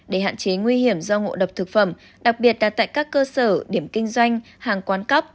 để hạn chế nguy hiểm do ngộ độc thực phẩm đặc biệt là tại các cơ sở điểm kinh doanh hàng quán cấp